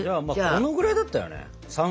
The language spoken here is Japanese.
このぐらいだったよね。